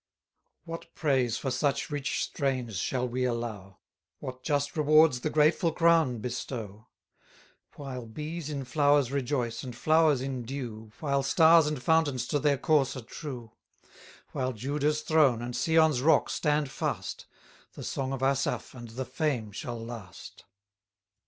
What praise for such rich strains shall we allow? What just rewards the grateful crown bestow? 1060 While bees in flowers rejoice, and flowers in dew, While stars and fountains to their course are true; While Judah's throne, and Sion's rock stand fast, The song of Asaph and the fame shall last!